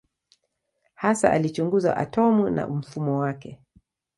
Hasa alichunguza atomu na mfumo wake.